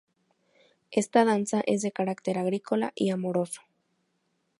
Esta danza es de carácter agrícola y amoroso.